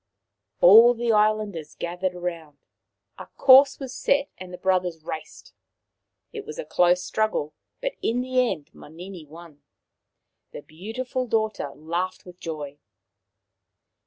All the islanders gathered round, a course was set, and the brothers raced. It was a close struggle, but in the end Manini won. The beautiful daughter laughed with joy.